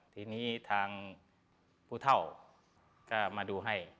ทีนี้ทางผู้เท่าก็มาดูให้